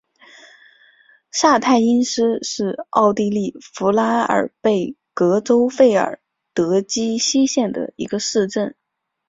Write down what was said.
萨泰因斯是奥地利福拉尔贝格州费尔德基希县的一个市镇。